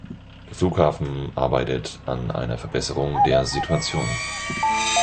Der Flughafen arbeitet an einer Verbesserung der Situation.